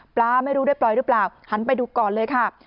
ไม่รู้ได้ปล่อยหรือเปล่าหันไปดูก่อนเลยค่ะ